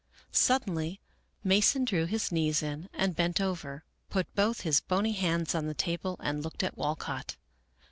Suddenly Mason drew his knees in and bent over, put both his bony hands on the table, and looked at Walcott.